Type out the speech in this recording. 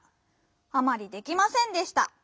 「あまりできませんでした」。